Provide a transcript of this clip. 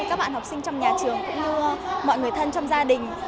các bạn học sinh trong nhà trường cũng như mọi người thân trong gia đình